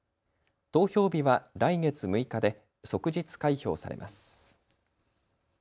投票日は来月６日で即日開票されます。